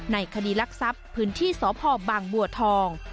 ในคดีลักษัพธ์พื้นที่สพบบวททอง